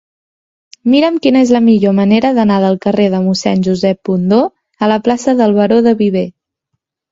Mira'm quina és la millor manera d'anar del carrer de Mossèn Josep Bundó a la plaça del Baró de Viver.